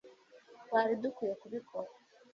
twari dukwiye kubikora